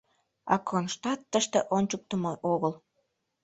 А Кронштадт тыште ончыктымо огыл.